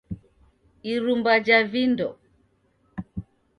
irumba ja vindo